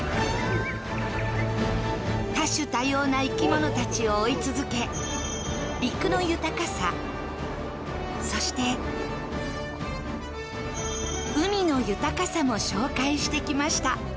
多種多様な生き物たちを追い続け陸の豊かさ、そして海の豊かさも紹介してきました。